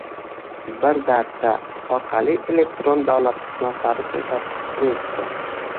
“Bir darcha” orqali elektron davlat xizmatlari ko‘rsatish prinsipi